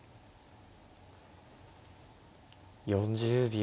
４０秒。